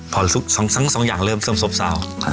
พอสักสองอย่างเริ่มเซ็งเซพเซา